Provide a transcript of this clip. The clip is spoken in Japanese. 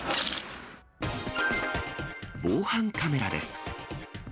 防犯カメラです。